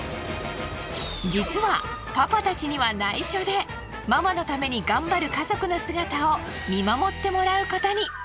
実はパパたちには内緒でママのために頑張る家族の姿を見守ってもらうことに。